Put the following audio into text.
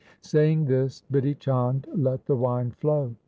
' Saying this Bidhi Chand let the wine flow.